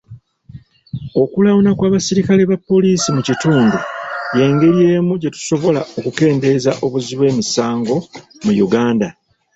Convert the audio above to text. Okulawuna kw'abaserikale ba poliisi mu kitundu y'engeri emu gye tusobola okukendeeza obuzzi bw'emisango mu Uganda.